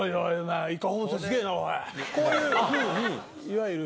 こういう風にいわゆる。